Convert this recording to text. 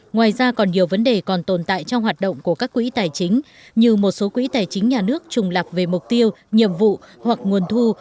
ngoài ra còn nhiều vấn đề còn tồn tại trong hoạt động của các quỹ tài chính như một số quỹ tài chính nhà nước trùng lập về mục tiêu nhiệm vụ hoặc nguồn thu